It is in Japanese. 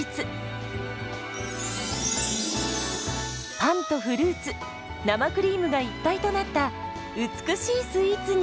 パンとフルーツ生クリームが一体となった美しいスイーツに。